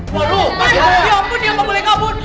waduh ya ampun ya ampun boleh kabur